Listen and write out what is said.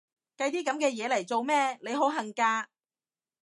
計啲噉嘅嘢嚟做咩？，你好恨嫁？